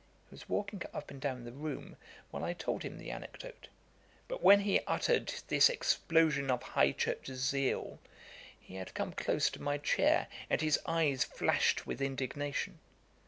He was walking up and down the room while I told him the anecdote; but when he uttered this explosion of high church zeal, he had come close to my chair, and his eyes flashed with indignation.